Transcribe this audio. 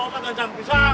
kok mau ngajak pisan